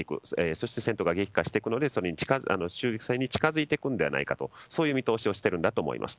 そして戦闘が激化していくので終戦に近づいていくんじゃないかとそういう見通しをしているんだと思います。